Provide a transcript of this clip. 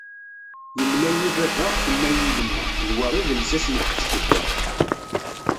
Yemla-yi baba, tenna-yi yemma, d wa i d lsas nekk d tsedda.